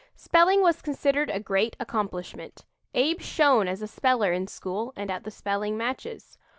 Spelling was considered a great accomplishment. Abe shone as a speller in school and at the spelling matches.